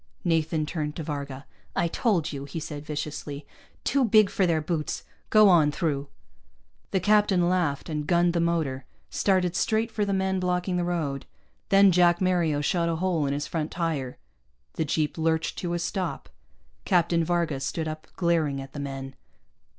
Nathan turned to Varga. "I told you," he said viciously. "Too big for their boots. Go on through." The captain laughed and gunned the motor, started straight for the men blocking the road. Then Jack Mario shot a hole in his front tire. The jeep lurched to a stop. Captain Varga stood up, glaring at the men.